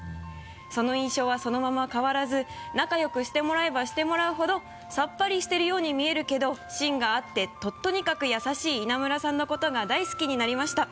「その印象はそのまま変わらず仲良くしてもらえばしてもらうほどさっぱりしてるように見えるけど芯があってとにかく優しい稲村さんのことが大好きになりました」